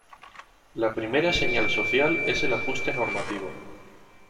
La primera señal social es el ajuste normativo.